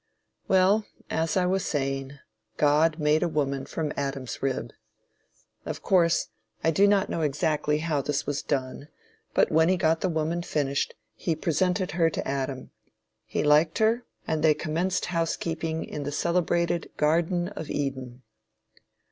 Well, as I was saying, God made a woman from Adam's rib. Of course, I do not know exactly how this was done, but when he got the woman finished, he presented her to Adam. He liked her, and they commenced house keeping in the celebrated garden of Eden.